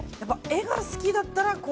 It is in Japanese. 絵が好きだったら。